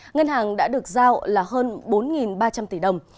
ngân hàng đã được giao là hơn bốn ba trăm linh tỷ đồng